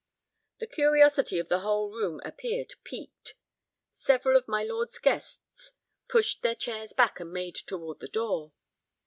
The curiosity of the whole room appeared piqued. Several of my lord's guests pushed their chairs back and made toward the door.